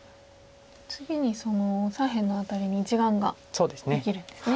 次に左辺の辺りに１眼ができるんですね。